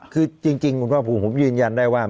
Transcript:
คือจริงคุณภาคภูมิผมยืนยันได้ว่า